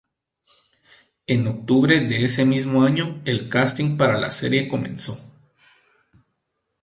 En octubre de ese mismo año, el casting para la serie comenzó.